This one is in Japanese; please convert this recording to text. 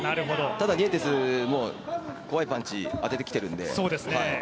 ただニエテスも怖いパンチ当ててきてるので。